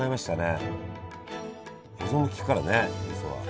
保存きくからね味噌は。